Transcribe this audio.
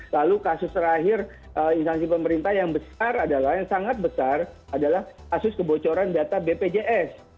lalu kasus terakhir instansi pemerintah yang besar adalah yang sangat besar adalah kasus kebocoran data bpjs